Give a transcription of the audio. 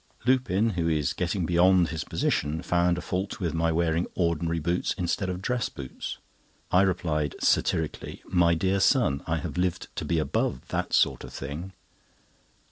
Lupin, who is getting beyond his position, found fault with my wearing ordinary boots instead of dress boots. I replied satirically: "My dear son, I have lived to be above that sort of thing."